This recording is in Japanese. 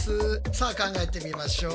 さあ考えてみましょう。